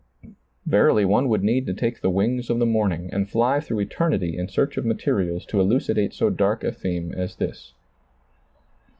Verily one would need to take the wings of the morning and fly through eter nity in search of materials to elucidate so dark a theme as this.